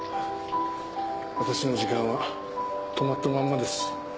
私の時間は止まったまんまです。